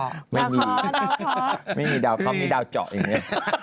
ดาวคอไม่มีดาวคอมีดาวเจาะอย่างนี้